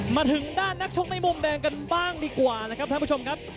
มาถึงด้านนักชกในมุมแดงกันบ้างดีกว่านะครับท่านผู้ชมครับ